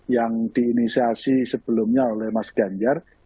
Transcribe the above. yang diinisiasi sebelumnya oleh mas ganjar